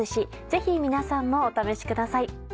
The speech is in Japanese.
ぜひ皆さんもお試しください。